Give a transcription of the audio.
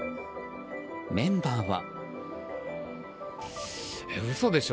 メンバーは。